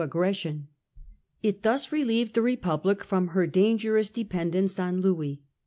aggression. It thus relieved the Republic from her dan gerous dependence on Louis.